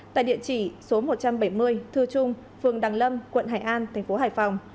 tại địa chỉ số một trăm bảy mươi thư trung phường đằng lâm quận hải an tp hải phòng